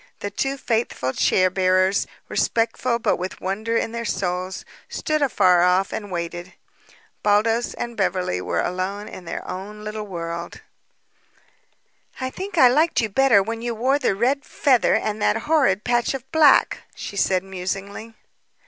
The two faithful chair bearers, respectful but with wonder in their souls, stood afar off and waited. Baldos and Beverly were alone in their own little world. "I think I liked you better when you wore the red feather and that horrid patch of black," she said musingly.